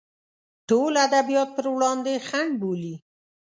ټول ادبیات پر وړاندې خنډ بولي.